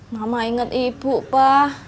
mama inget ibu pa